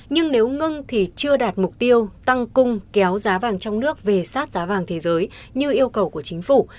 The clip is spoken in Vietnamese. nhưng nếu ngưng thì chưa đạt mục tiêu tăng cung kéo giá vàng trong nước về sát giá vàng thế giới như yêu cầu của chính phủ